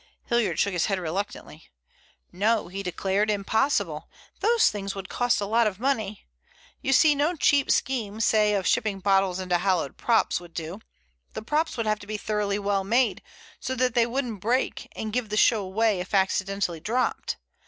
Hilliard shook his head reluctantly. "No," he declared. "Impossible. Those things would cost a lot of money. You see, no cheap scheme, say of shipping bottles into hollowed props, would do. The props would have to be thoroughly well made, so that they wouldn't break and give the show away if accidentally dropped.